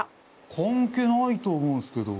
関係ないと思うんすけど。